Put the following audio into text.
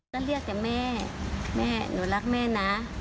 ก็เรียกแม่นูรักแม่นะ